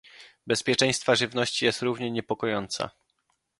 Bezpieczeństwa Żywności jest równie niepokojąca